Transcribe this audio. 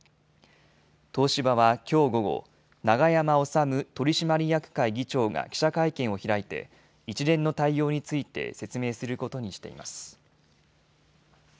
東芝はきょう午後、永山治取締役会議長が記者会見を開いて一連の対応について説明することにしています。